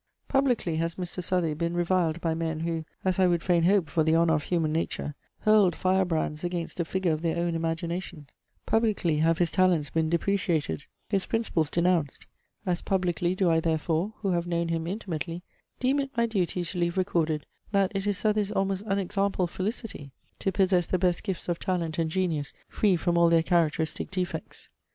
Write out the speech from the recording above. Publicly has Mr. Southey been reviled by men, who, as I would fain hope for the honour of human nature, hurled fire brands against a figure of their own imagination; publicly have his talents been depreciated, his principles denounced; as publicly do I therefore, who have known him intimately, deem it my duty to leave recorded, that it is Southey's almost unexampled felicity, to possess the best gifts of talent and genius free from all their characteristic defects.